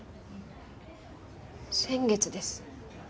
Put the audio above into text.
先月です。